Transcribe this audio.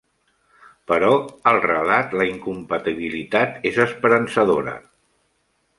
Però al relat la incompatibilitat és esperançadora.